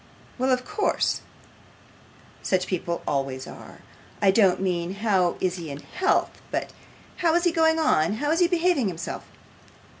Well, of course; such people always are. I don't mean how is he in health, but how is he going on: how is he behaving himself?